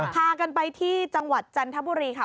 พากันไปที่จังหวัดจันทบุรีค่ะ